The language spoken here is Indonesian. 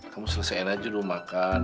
kamu selesaiin aja dulu makan